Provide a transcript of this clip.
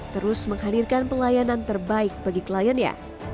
terus menghadirkan pelayanan terbaik bagi kliennya